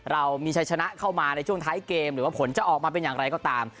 เรามีชัยชนะเข้ามาในช่วงท้ายเกมหรือว่าผลจะออกมาเป็นอย่างไรก็ตาม